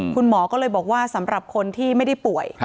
คุณหมอก็เลยบอกว่าสำหรับคนที่ไม่ได้ป่วย